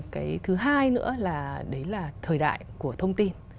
cái thứ hai nữa là đấy là thời đại của thông tin